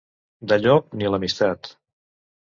Del llop, ni l'amistat.